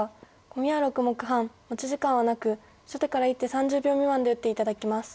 コミは６目半持ち時間はなく初手から１手３０秒未満で打って頂きます。